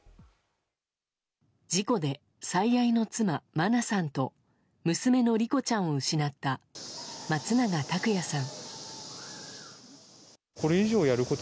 事故で、最愛の妻・真菜さんと娘の莉子ちゃんを失った松永拓也さん。